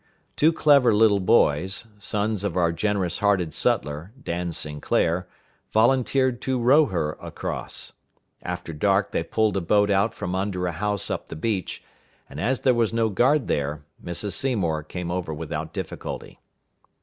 Two clever little boys, sons of our generous hearted sutler, Dan Sinclair, volunteered to row her across. After dark, they pulled a boat out from under a house up the beach; and as there was no guard there, Mrs. Seymour came over without difficulty.